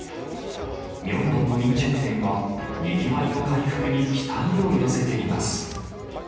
ミョンドンの飲食店は、にぎわいの回復に期待を寄せています。